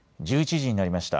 １１時になりました。